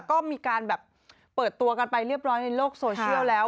ก็มีการแบบเปิดตัวกันไปเรียบร้อยในโลกโซเชียลแล้ว